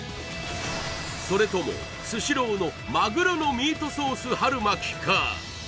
それともスシローのまぐろのミートソース春巻きか？